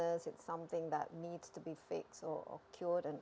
itu adalah sesuatu yang perlu diatur atau dikeluarkan